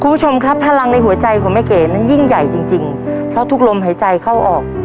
คุณผู้ชมครับพลังในหัวใจของแม่เก๋นั้นยิ่งใหญ่จริงจริงเพราะทุกลมหายใจเข้าออก